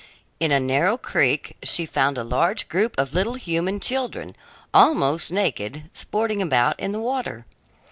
In a narrow creek she found a large group of little human children, almost naked, sporting about in the water.